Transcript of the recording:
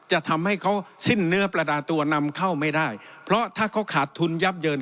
จะทำให้เขาสิ้นเนื้อประดาตัวนำเข้าไม่ได้เพราะถ้าเขาขาดทุนยับเยิน